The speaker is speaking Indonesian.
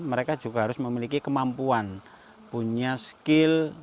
mereka juga harus memiliki kemampuan punya skill